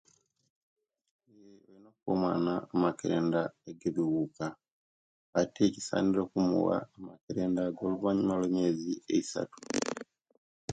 Omwana amakerenda agebiwuka ate kisaniire okumuwa amakerenda ago oluvanyuma olwe emiyezi eisatu